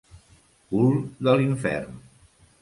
Cul de l'infern.